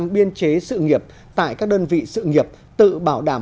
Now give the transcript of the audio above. hai mươi năm bốn trăm ba mươi năm biên chế sự nghiệp tại các đơn vị sự nghiệp tự bảo đảm